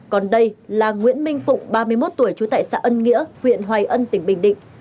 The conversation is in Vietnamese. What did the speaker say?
còn đây là nguyễn minh phụng ba mươi một tuổi trú tại xã ân nghĩa huyện hoài ân tỉnh bình định